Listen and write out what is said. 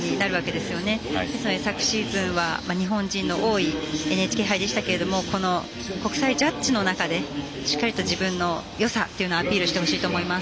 ですので、昨シーズンは日本人の多いＮＨＫ杯でしたけどこの国際ジャッジの中でしっかりと自分のよさというのをアピールしてほしいと思います。